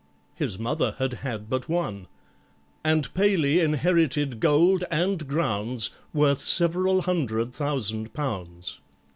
His mother had had but one), And PALEY inherited gold and grounds Worth several hundred thousand pounds.